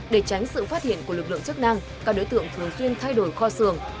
để tránh sự phát hiện của lực lượng chức năng các đối tượng thường xuyên thay đổi kho sường